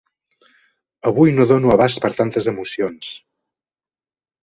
Avui no dono abast per tantes emocions.